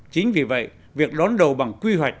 chính vì vậy việc đón đầu bằng quy hoạch